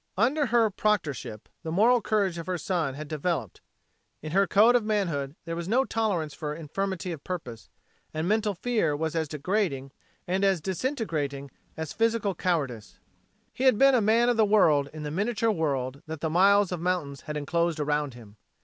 Under her proctorship the moral courage of her son had developed. In her code of manhood there was no tolerance for infirmity of purpose, and mental fear was as degrading and as disintegrating as physical cowardice. He had been a man of the world in the miniature world that the miles of mountains had enclosed around him.